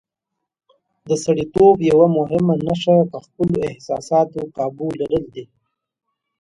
د سړیتوب یوه مهمه نښه په خپلو احساساتو قابو لرل دي.